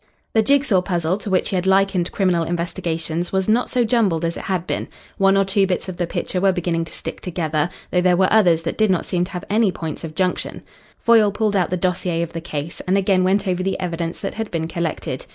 The jig saw puzzle to which he had likened criminal investigations was not so jumbled as it had been. One or two bits of the picture were beginning to stick together, though there were others that did not seem to have any points of junction. Foyle pulled out the dossier of the case, and again went over the evidence that had been collected.